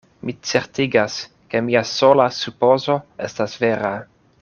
Mi certigas, ke mia sola supozo estas vera.